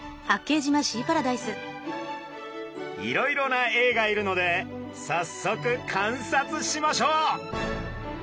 いろいろなエイがいるのでさっそく観察しましょう！